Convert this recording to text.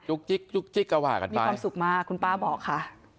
จิ๊กจุ๊กจิ๊กก็ว่ากันไปมีความสุขมากคุณป้าบอกค่ะ